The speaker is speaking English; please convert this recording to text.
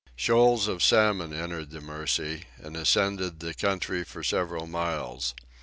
Shoals of salmon entered the Mercy, and ascended the country for several miles.